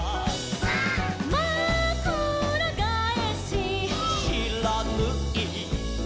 「まくらがえし」「」「しらぬい」「」